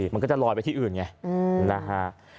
มันก็จะลอยไปที่อื่นไงนะฮะ